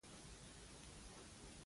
د هر کس د محافظت ضمانت کوي.